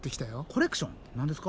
コレクション何ですか？